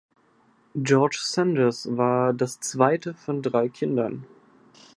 George Sanders war das zweite von drei Kindern.